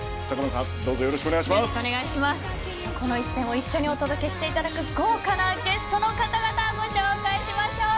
さあ、この一戦を一緒にお届けしていただく豪華なゲストの方々ご紹介しましょう。